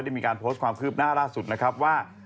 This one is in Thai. มีการโพสต์ความคืบหน้าล่าสุดนะครับว่า